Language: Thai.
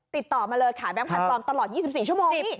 ติดต่อมาเลยขายแบงควันปลอมตลอด๒๔ชั่วโมง